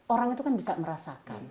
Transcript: orang itu kan bisa merasakan